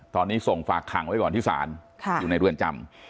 ตอนนี้ส่งฝากขังไว้ก่อนที่ศาลอยู่ในเรือนจำ